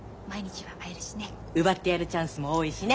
奪ってやるチャンスも多いしね。